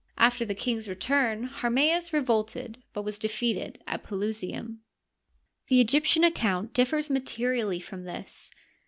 After the king's return Harmsds re volted, but was defeated at Pelusium. The Egyptian account differs materially from this.